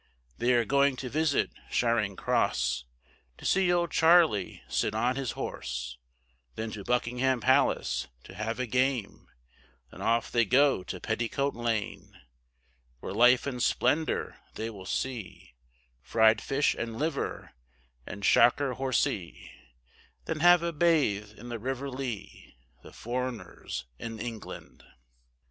They are going to visit Charing Cross, To see old Charley sit on his horse, Then to Buckingham Palace to have a game, Then off they go to Petticoat Lane, Where life in splendour they will see, Fried fish and liver, and shockerhorsey, Then have a bathe in the river Lea, The foreigners in England.